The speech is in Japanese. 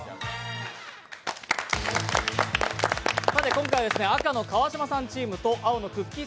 今回は赤の川島さんチームと青のくっきー！